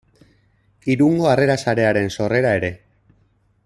Irungo Harrera Sarearen sorrera ere.